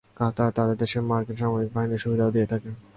কাতার তাদের দেশে মার্কিন সামরিক বাহিনীর সুবিধাও দিয়ে থাকে।